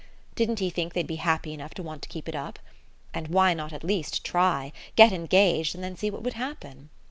Didn't he think they'd be happy enough to want to keep it up? And why not at least try get engaged, and then see what would happen?